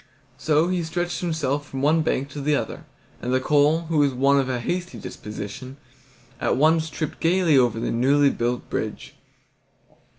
So he stretched himself from one bank to the other, and the coal, who was of a hasty disposition, at once tripped gaily on to the newly built bridge.